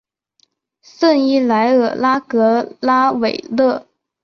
圣伊莱尔拉格拉韦勒。